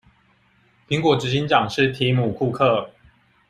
蘋果執行長是提姆庫克